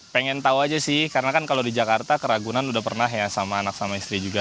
pengen tahu aja sih karena kan kalau di jakarta keragunan udah pernah ya sama anak sama istri juga